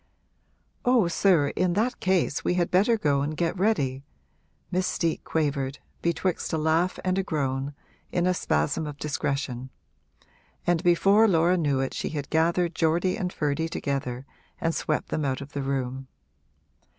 'Oh sir, in that case we had better go and get ready!' Miss Steet quavered, betwixt a laugh and a groan, in a spasm of discretion; and before Laura knew it she had gathered Geordie and Ferdy together and swept them out of the room.